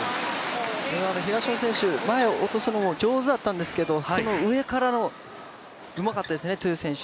東野選手、前に落とすのも上手だったんですけど、その上からの、うまかったですね、トウ選手。